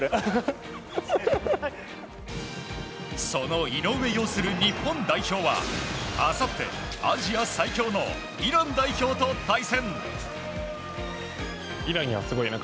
その井上擁する日本代表はあさってアジア最強のイラン代表と対戦。